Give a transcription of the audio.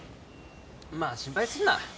まあ心配すんな。